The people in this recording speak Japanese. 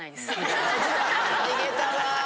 逃げたわ！